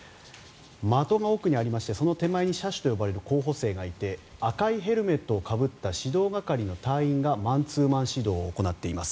的が奥にありましてその手前に射手と呼ばれる候補生がいて赤いヘルメットをかぶった指導係の隊員がマンツーマン指導を行っています。